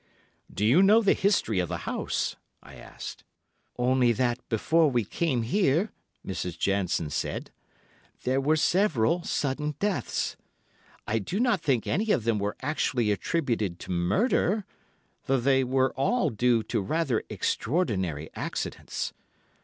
"Do you know the history of the house?" I asked. "Only that before we came here," Mrs. Jansen said, "there were several sudden deaths. I do not think any of them were actually attributed to murder, though they were all due to rather extraordinary accidents.